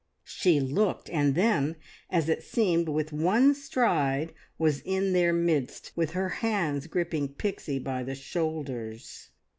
She looked, and then, as it seemed with one stride, was in their midst, with her hands gripping Pixie by the shoulders.